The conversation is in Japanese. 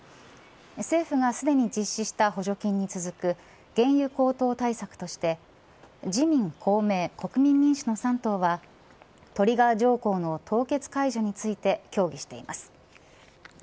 政府がすでに実施した補助金に続く原油高騰対策として自民、公明、国民民主の３党はトリガー条項の凍結解除について協議しています。